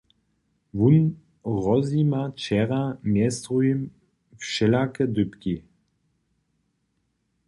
Wón rozjima wčera mjez druhim wšelake dypki.